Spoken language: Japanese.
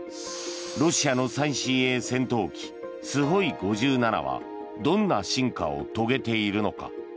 ロシアの最新鋭戦闘機スホイ５７はどんな進化を遂げているのか。